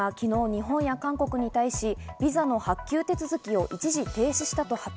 これに対し、中国が昨日、日本や韓国に対しビザの発給手続きを一時停止したと発表。